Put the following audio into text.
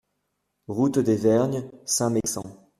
Route des Vergnes, Saint-Mexant